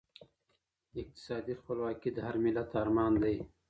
اقتصادي خپلواکي د هر ملت ارمان دی.